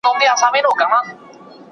زه بايد سبا ته فکر وکړم